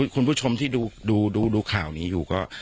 คุณผู้ชมที่ดูข่าวนี้อยู่ก็